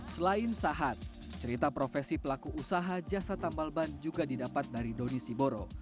selain sahat cerita profesi pelaku usaha jasa tambal ban juga didapat dari doni siboro